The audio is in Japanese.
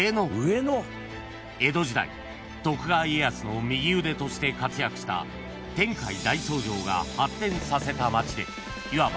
［江戸時代徳川家康の右腕として活躍した天海大僧正が発展させた街でいわば］